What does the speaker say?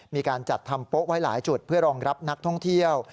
มีการจัดทำโป๊ะไว้หลายจุดเพื่อรองรับนักท่องเที่ยว